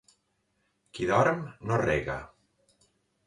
Qui dorm no rega.